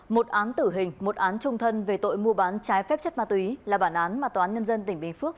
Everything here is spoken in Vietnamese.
một án tử hình một án trung thân về tội mua bán trái phép chất ma túy là bản án mà toán nhân dân tỉnh bình phước